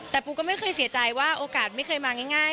แต่ปูก็ไม่เคยเสียใจว่าโอกาสไม่เคยมาง่าย